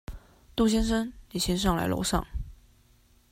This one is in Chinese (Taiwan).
杜先生，你先上來樓上